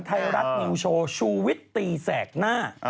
ไทยรัฐนิวโชว์ชูวิตตีแสกหน้า